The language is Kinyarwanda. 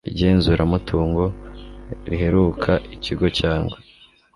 igenzuramutungo riheruka ikigo cyangwa